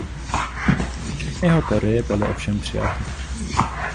Ne všechny jeho teorie byly ovšem přijaty.